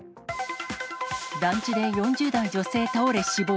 団地で４０代女性倒れ死亡。